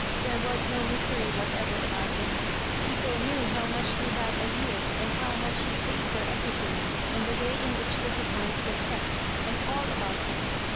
There was no mystery whatever about him. People knew how much he had a year, and how much he paid for everything, and the way in which his accounts were kept, and all about him.